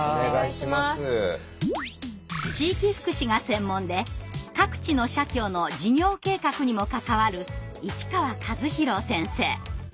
地域福祉が専門で各地の社協の事業計画にも関わる市川一宏先生。